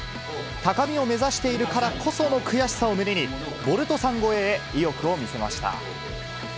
高みを目指しているからこその悔しさを胸に、ボルトさん超えへ意欲を見せました。